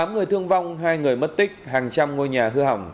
tám người thương vong hai người mất tích hàng trăm ngôi nhà hư hỏng